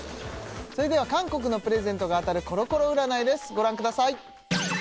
それでは韓国のプレゼントが当たるコロコロ占いですご覧ください